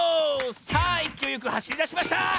さあいきおいよくはしりだしました！